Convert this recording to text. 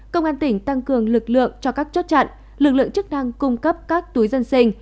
công an tỉnh tăng cường lực lượng cho các chốt chặn lực lượng chức năng cung cấp các túi dân sinh